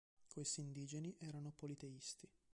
Questi indigeni erano politeisti.